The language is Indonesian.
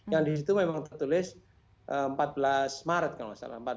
yang di situ memang tertulis empat belas maret kalau tidak salah